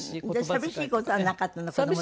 寂しい事はなかったの？